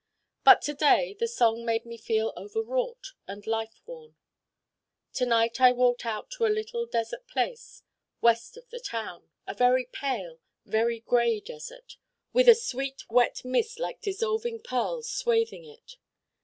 But to day the song made me feel over wrought and life worn. To night I walked out to a little desert space west of the town, a very pale, very gray desert, with a sweet wet mist like dissolving pearls swathing it.